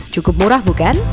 cukup murah bukan